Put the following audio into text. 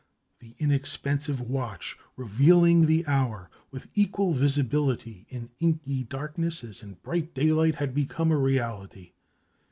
The inexpensive watch revealing the hour with equal visibility in inky darkness as in bright daylight had become a reality.